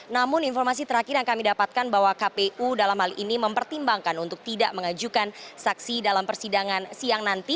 namun informasi terakhir yang kami dapatkan bahwa kpu dalam hal ini mempertimbangkan untuk tidak mengajukan saksi dalam persidangan siang nanti